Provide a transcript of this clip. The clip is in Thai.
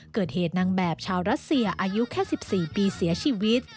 เกิดเหตุนางแบบชาวรัสเซียอายุแค่๑๔ปีเสียชีวิต